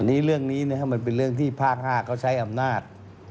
อันนี้เรื่องนี้นะครับมันเป็นเรื่องที่ภาค๕เขาใช้อำนาจ